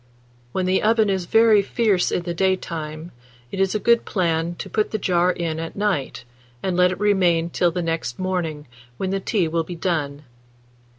When the oven is very fierce in the daytime, it is a good plan to put the jar in at night, and let it remain till the next morning, when the tea will be done.